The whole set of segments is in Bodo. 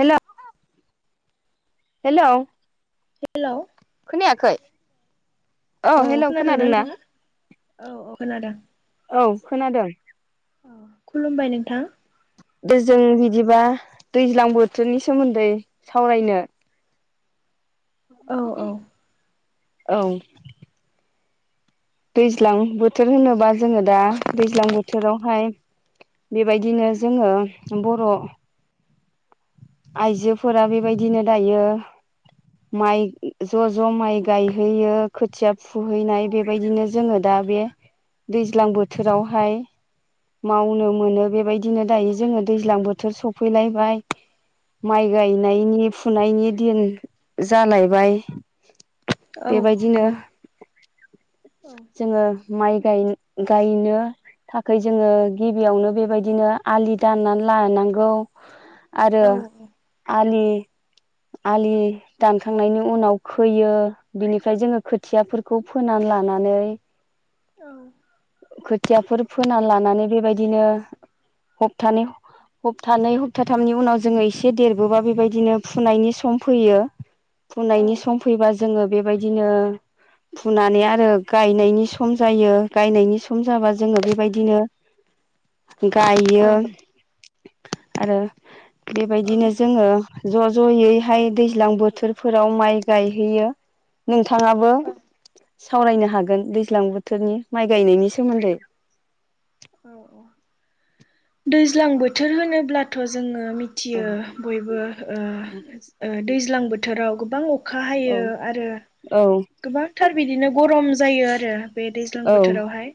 हेलौ हेलौ हेलौ खोनायाखै औ खोनादोंना नोङो औ औ खोनादों। औ खोनादों ओ खुलुमबाय नोंथां दे जों बिदिबा दैज्लां बोथोरनि सोमोन्दै सावरायनो औ औ। औ दैज्लां बोथोर होनोबा जोङो दा दैज्लां बोथोरावहाय बेबायदिनो जोङो बर' आइजोफोरा बेबायदिनो दायो माइ ज' ज' माइ गायहैयो खोथिया फुहैनाय बेबायदिनो जोङो दा । दा बे दैज्लां बोथोरावहाय। मावनो मोनो बेबायदिनो दायो जोङो दैज्लां बोथोर सफैलायबाय। माइ गायनायनि फुनायनि दिन जालायबाय। औ बेबायदिनो नंगौ औ जोङो माइ गाय गायनो। थाखाय जोङो गिबियावनो बेबायदिनो आलि दाननानै लानांगौ। आरो औ आलि आलि दानखांनायनि उनाव खोयो बिनिफ्राय जोंङो खोथियाफोरखौ फोनान लानानै। [inaudible] औ। खोथियाफोर फोना लानानै बेबायदिनो हपथानै हप्थानै हप्थाथामनि उनाव जोंङो इसे देरबोबा बेबायदिनो फुनायनि सम फैयो। फुनायनि सम फैबा जोङो बेबायदिनो फुनानै आरो गायनायनि सम जायो गायनायनि सम जाबा जोङो बेबायदिनो औ गायो आरो बेबायदिनो जोङो ज' ज'यैहाय दैज्लां बोथोरफोराव माइ गायहैयो नोंथ बिथाङाबो सावरायनोहा होगोन दैज्लां बोथोरनि माइ गायनायनि सोमोन्दै। दैज्लां बोथोर होनोब्लाथ' जोंङो औ मिथियो बयबो ओ ओ दैज्लां बोथोराव गोबां अख अखा औ हायो आरो औ गोबांथार बिदिनो गरम जायो आरो बे दैज्लां औ बोथोरावहाय।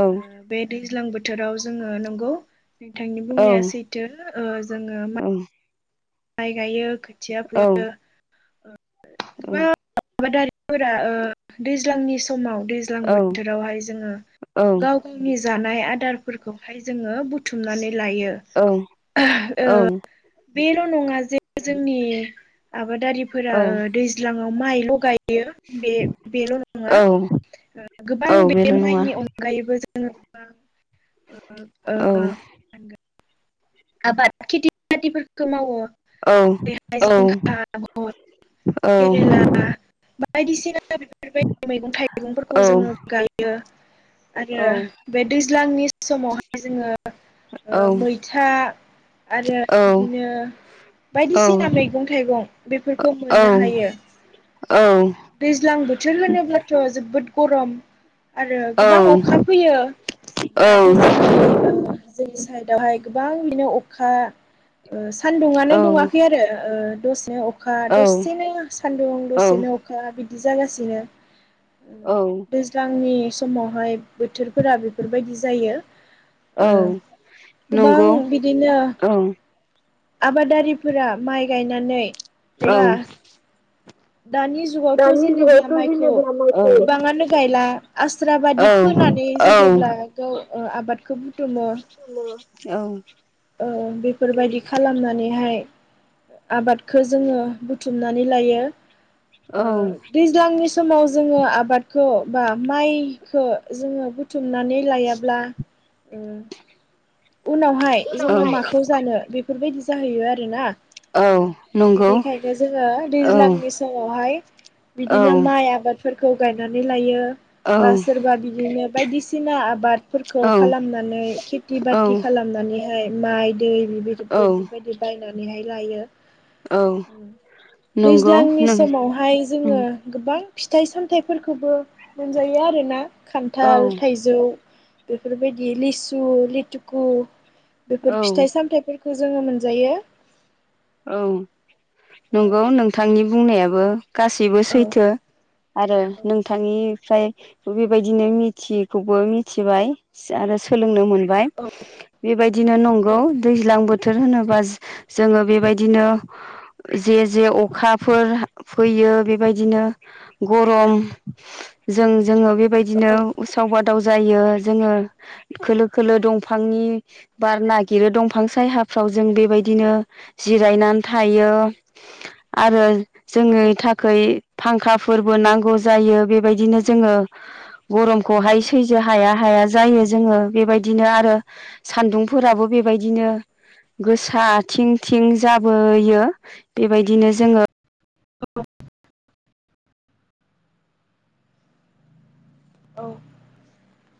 औ बे दैज्लां बोथोराव जोङो नंगौ नोंथांनि औ बुंनाया सैथो ओ जोङो मा माइ गायो खोथिया औ फोयो। गोबां आबादारिफोरा ओ दैज्लांनि समाव दैज्लां बोथोरावहाय जोङो गाव गावनि जानाय आदारफोरखौहाय जोङो बुथुमनानै‌ लायो। ओ औ बे नङा जे जोंनि आबादारिफोरा औ ओ दैज्लांङाव माइ गाय यो बे बेल' नङा औ गोबां औ बे बेल' नङा माइनि अनगायैबो जायो। जों औ ओ आबाद खेथि बाथिफोरखौ मावो। जेरैहाय औ जिंखा औ केरेला औ। बायदिसिना बेफोरबायदि मैगं थाइगंफोरखौ औ जोंङो गायो। आरो औ बे दैज्लांनि समावहाय जोङो औ ओ मैथा आरो बिदिनो बायदिसिना मैगं थाइगं बेफोरखौ मोननो हायो। दैज्लां बोथोर होनोब्लाथ' जोबोद गरम। आरो गोबां अखा फैयो दाथ' जोंनि ओ जोंस साइदआवहाय गोबां बिनो अखा ओ सानदुंनो औ दुंङाखै आरो ओ दसेअखा दसेनो सान्दुं औ दस दा बिदि जागासिनो औ दैज्लांनि समावहाय बोथोरफोरा बेफोरबायदि जायो। ओ औ गोबां नंगौ बिदिनो औ आबादारिफोरा माइ गायनानै औ। बा दानि जुगावथ' दानि जेनेब्ला जुगावथ' माइखौ जेनेबा माइखौ गोबाङानो गायला आस्रा बादि उनावहाय फोनानै जेनेब्ला गाव ओ आबादखौ बुथुमो ओ औ। ओ बेफोरबायदि खालामनानैहाय। आबादखो जोंङो बुथुमनानै लायो। ओ दैज्लांनि समाव जोङो आब आबादखौ बा माइखो जोंङो बुथुमनानै लायाब्ला। ओ। उनावहाय जोङो माखौ जानो बेफोरबायदि जाहैयो आरोना। नंगौ बेखायनो जोङो औ दैज्लांनि समावहाय। औ बिदिनो माइ आबादफोरखौ गायनानै लायो, बा सोरबा बिदिनो बायदिसिना आबादफोरखौ खालामनानै खेथि औ बाथि खेथि खालामनानैहाय माइ दै बेफोर औ बेफोरबायदि बायनानैहाय लायो, औ ओ नंगौ दैज्लांनि नों समावहाय जोंङो गोबां फिथाइ सामथाइफोरखौबो मोनजायो आरो ना खान्थाल, थाइजौ, बेफोरबायदि लिसु, लिथुकु औ बेफोर फिथाइ सामथाइफोर खौ जोंङो मोनजायो, औ नंगौ नोंथांनि बुंनायाबो, गासैबो औ सैथो आरो नोंथांनि निफ्राय बेबायदिनो मिथियैखौबो मिथिबाय आरो सोलोंनो मोन मोनबाय औ बेबायदिनो नंगौ दैज्लां बोथोर होनोबा जोंङो बेबायदि बिदिनो जे-जे अखाफोर फैयो, बेबायदिनो गरम, जों जोंङो बेबायदिनो उसाव बादाव जायो । जोंङो खोलो खोलो दंफांनि बार नागिरो, दंफां सायहाफ्राव जों बेबायदि बिदिनो जिरायनानै थायो, आरो जोंनि थाखाय फांखाफोरबो नांगौ जायो, बेबायदिनो जोंङो, गरमखौहाय सैजो हाया हाया जायो जोंङो बेबायदिनो आरो सान्दुं फोराबो बेबायदिनो गोसा आथिं थिं जाबोयो बेबायदिनो जोंङो औ